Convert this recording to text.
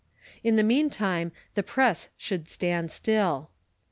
In the meantime the press should stand still.